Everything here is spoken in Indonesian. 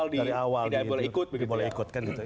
dari awal di boleh ikut begitu ya